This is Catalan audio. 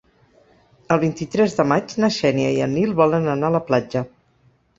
El vint-i-tres de maig na Xènia i en Nil volen anar a la platja.